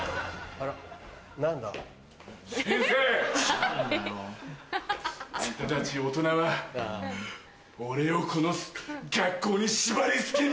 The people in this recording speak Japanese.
あんたたち大人は俺をこの学校に縛り付けんのかよ！